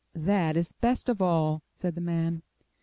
'That is best of all!'* said the man.